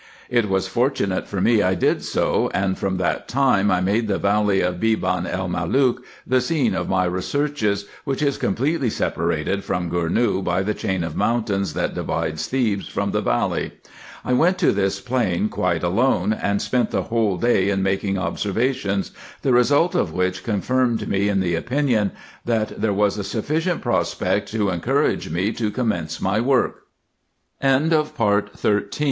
It was fortunate for me I did so, and from that time I made the valley of Beban el Malook the scene of my researches, which is completely separated from Gournou by the chain of mountains, that divides Thebes from the valley. I went to this plain quite alone, and spent the whole day in making observations, the result of which confirmed me in the opinion, that there was